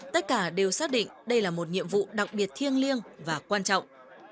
tất cả đều xác định đây là một nhiệm vụ đặc biệt thiêng liêng và quan trọng